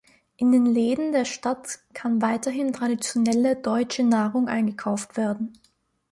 In den Läden der Stadt kann weiterhin traditionelle deutsche Nahrung eingekauft werden.